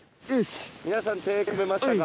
皆さん手組めましたか？